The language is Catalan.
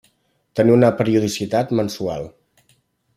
Tenia una periodicitat mensual.